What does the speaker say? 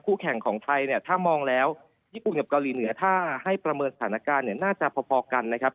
แข่งของไทยเนี่ยถ้ามองแล้วญี่ปุ่นกับเกาหลีเหนือถ้าให้ประเมินสถานการณ์เนี่ยน่าจะพอกันนะครับ